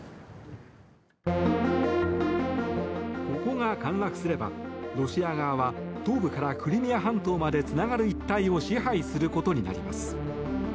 ここが陥落すればロシア側は東部からクリミア半島までつながる一帯を支配することになります。